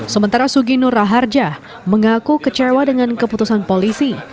sementara suginur raharjah mengaku kecewa dengan keputusan polisi